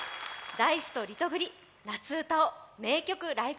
Ｄａ−ｉＣＥとリトグリ夏うたを「名曲ライブ！